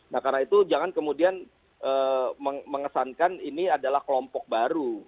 nah karena itu jangan kemudian mengesankan ini adalah kelompok baru